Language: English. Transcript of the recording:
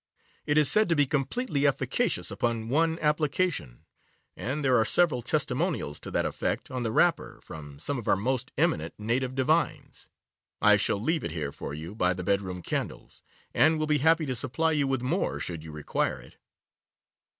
It is said to be completely efficacious upon one application, and there are several testimonials to that effect on the wrapper from some of our most eminent native divines. I shall leave it here for you by the bedroom candles, and will be happy to supply you with more should you require it.